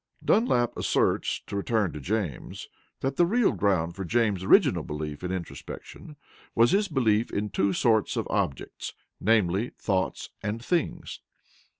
Dunlap asserts (to return to James) that the real ground for James's original belief in introspection was his belief in two sorts of objects, namely, thoughts and things.